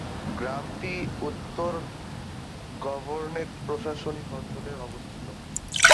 গ্রামটি উত্তর গভর্নরেট প্রশাসনিক অঞ্চলে অবস্থিত।